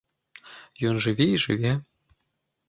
Ён жыве і жыве.